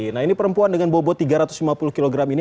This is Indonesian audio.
nah ini perempuan dengan bobot tiga ratus lima puluh kg ini